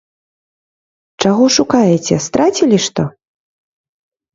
Чаго шукаеце, страцілі што?